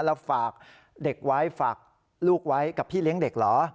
แล้วฝากเด็กไว้ฝากลูกไว้กับพี่เลี้ยงเด็กเหรอ